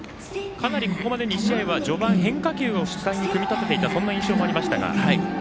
ここまで２試合は序盤変化球を中心に組み立てていたそんな印象もありました。